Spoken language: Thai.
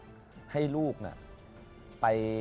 สวัสดีครับ